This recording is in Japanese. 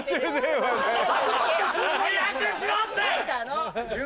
早くしろって！